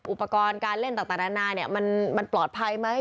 อุปกรณ์การเล่นต่างนานามันปลอดภัยไหม